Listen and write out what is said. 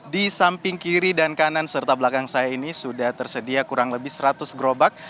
di samping kiri dan kanan serta belakang saya ini sudah tersedia kurang lebih seratus gerobak